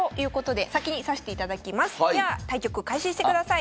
では対局開始してください。